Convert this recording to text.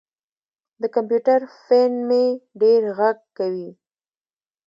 د کمپیوټر فین مې ډېر غږ کوي.